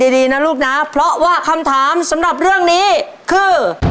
ดีนะลูกนะเพราะว่าคำถามสำหรับเรื่องนี้คือ